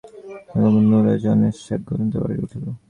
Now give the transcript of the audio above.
পূজার নানা অঙ্গ ক্রমে সমাধা হইল এবং নীরাজনের শাঁক-ঘণ্টা বাজিয়া উঠিল।